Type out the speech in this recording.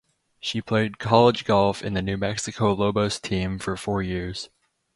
She played college golf in the New Mexico Lobos team for four years.